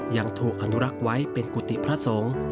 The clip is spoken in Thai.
ยังถูกอนุรักษ์ไว้เป็นกุฏิพระสงฆ์